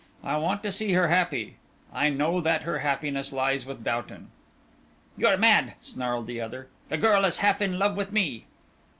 I want to see her happy; I know that her happiness lies with Doughton." "You are mad," snarled the other; "the girl is half in love with me."